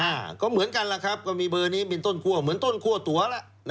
อ่าก็เหมือนกันล่ะครับก็มีเบอร์นี้เป็นต้นคั่วเหมือนต้นคั่วตัวล่ะ